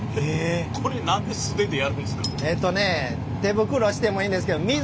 これ何で素手でやるんですか？